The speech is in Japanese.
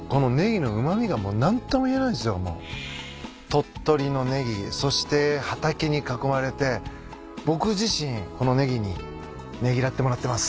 鳥取のネギそして畑に囲まれて僕自身このネギにねぎらってもらってます。